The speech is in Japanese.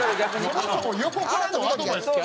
そもそも横からのアドバイスってありなん？